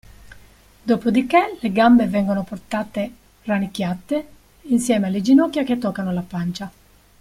Dopodiché le gambe vengono portare rannicchiate, insieme alle ginocchia che toccano la pancia.